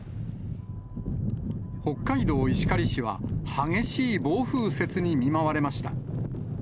北海道石狩市は、激しい暴風雪に見舞われました。